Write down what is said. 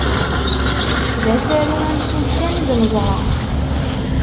D asaru amsultan i d-neẓra.